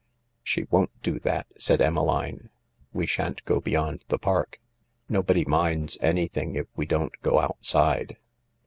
She won't do that," said Emmeline, "We shan't go 8 THE LARK beyond the park. Nobody minds anything if we don't go outside.